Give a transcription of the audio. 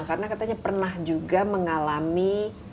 karena katanya pernah juga mengalami